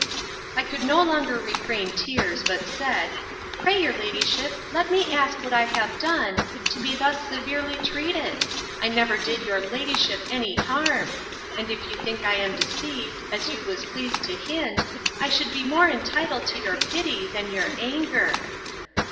I could no longer refrain tears, but said, Pray your ladyship, let me ask what I have done, to be thus severely treated? I never did your ladyship any harm. And if you think I am deceived, as you was pleased to hint, I should be more entitled to your pity, than your anger.